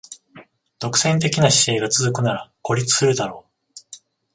独占的な姿勢が続くなら孤立するだろう